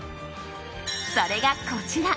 それがこちら。